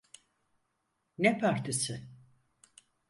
Ne partisi?